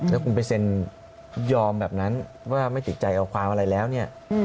แล้วคุณไปเซ็นยอมแบบนั้นว่าไม่ติดใจเอาความอะไรแล้วเนี่ย